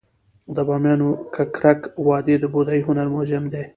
د بامیانو ککرک وادي د بودايي هنر موزیم دی